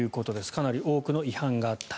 かなり多くの違反があった。